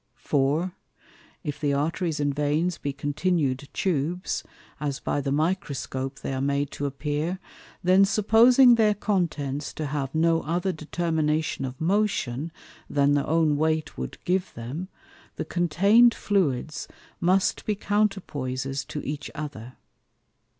For, if the Arteries and Veins be continued Tubes, (as by the Microscope they are made to appear) then supposing their contents to have no other determination of motion, than their own weight wou'd give them, the contain'd Fluids must be Counterpoises to each other.